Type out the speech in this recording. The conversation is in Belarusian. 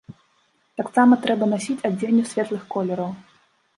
Таксама трэба насіць адзенне светлых колераў.